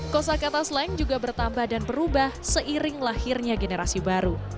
kosa kata slang juga bertambah dan berubah seiring lahirnya generasi baru